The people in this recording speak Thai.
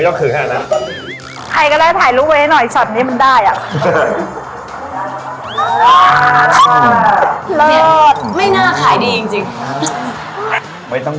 ตลกได้บ้างเราเป็นผู้แช่งไหนเองอะ